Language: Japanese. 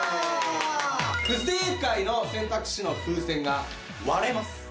不正解の選択肢の風船が割れます。